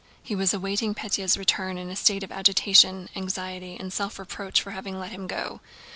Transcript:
He was awaiting Pétya's return in a state of agitation, anxiety, and self reproach for having let him go.